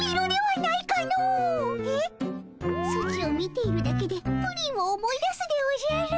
ソチを見ているだけでプリンを思い出すでおじゃる。